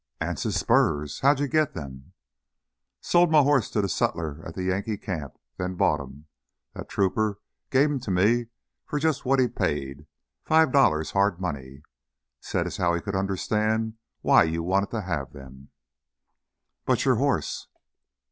"Anse's spurs! How did you get them?" "Sold m' horse to the sutler at the Yankee camp. Then bought 'em. That trooper gave 'em to me for just what he paid: five dollars hard money. Said as how he could understand why you wanted to have them " "But your horse!"